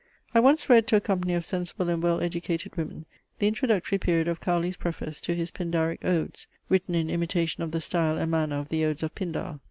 I once read to a company of sensible and well educated women the introductory period of Cowley's preface to his "Pindaric Odes," written in imitation of the style and manner of the odes of Pindar.